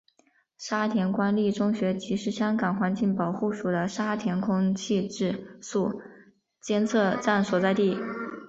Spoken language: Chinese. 沙田官立中学亦是香港环境保护署的沙田空气质素监测站所在地。